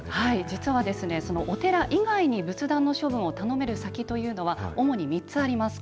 実は、そのお寺以外に仏壇の処分を頼める先というのは、主に３つあります。